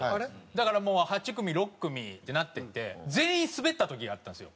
だからもう８組６組ってなっていって全員スベった時があったんですよ。